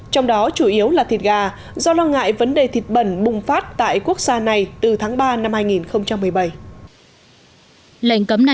trong đó chủ yếu là thịt gà do lo ngại vấn đề thịt bẩn bùng phát tại quốc gia này từ tháng ba năm hai nghìn một mươi bảy